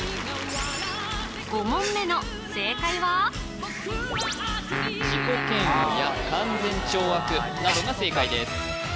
５問目の正解は自己嫌悪や勧善懲悪などが正解です